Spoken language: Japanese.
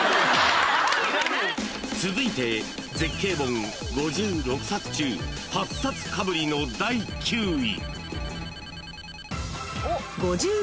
［続いて絶景本５６冊中８冊かぶりの第９位］